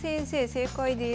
正解です。